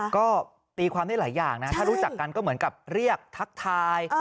ก็ตีความได้หลายอย่างนะถ้ารู้จักกันก็เหมือนกับเรียกทักทาย